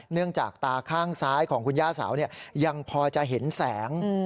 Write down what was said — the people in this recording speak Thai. เนื่องจากตาข้างซ้ายของคุณย่าเสายังพอจะเห็นแสง